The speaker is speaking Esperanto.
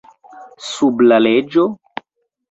Sub la leĝo?